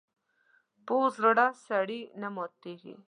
پوخ زړه سړي نه ماتېږي